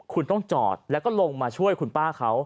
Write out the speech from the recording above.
คุณต้องจอดแล้วก็ลงมาช่วยคุณป้าเขา